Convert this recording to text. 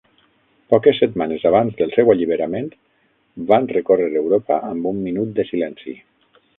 Poques setmanes abans del seu alliberament van recórrer Europa amb un minut de silenci.